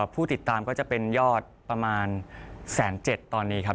ผู้ติดตามก็จะเป็นยอดประมาณ๑๗๐๐ตอนนี้ครับ